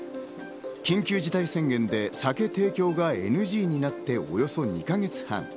緊急事態宣言で酒提供がＮＧになっておよそ２か月半。